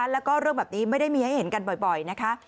แล้วก็เรื่องแบบนี้ไม่ได้มีให้เห็นกันบ่อยนะคะ